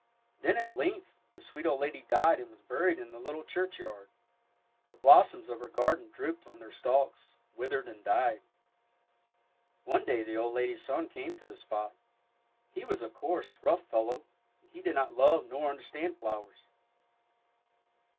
Then at length the sweet old lady died and was buried in the little churchyard. The blossoms of her garden drooped on their stalks, withered, and died. One day the old lady's son came to the spot. He was a coarse, rough fellow, and he did not love nor understand flowers.